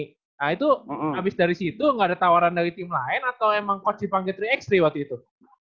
nah itu habis dari situ nggak ada tawaran dari tim lain atau emang coach dipanggil tiga x tiga waktu itu